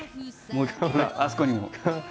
あそこにも。